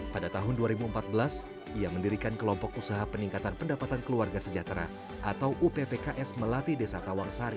pada tahun dua ribu empat belas ia mendirikan kelompok usaha peningkatan pendapatan keluarga sejahtera atau uppks melatih desa tawangsari